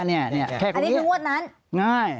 อันนี้คืองวดนั้น